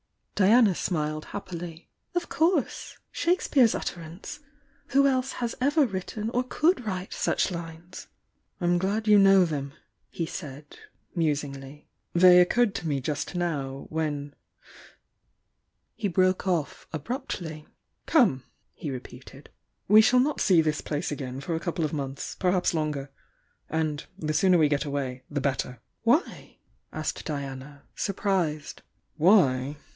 Diana smiled happily. "Of course! Shakespeare's utterance! Who else has ever written or could write such Unes?" "I'm glad you know them!" he said, musingly. "They occurred to me just now — ^when " He broke off abruptly. "Come!" he repeated. "We shall not see this place again for a couple of months — perhaps longer. And — the sooner we get away the better!" "Why?" aaked Diana, surprised. "Why?"